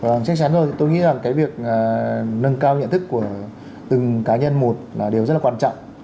vâng chắc chắn rồi thì tôi nghĩ rằng cái việc nâng cao nhận thức của từng cá nhân một là điều rất là quan trọng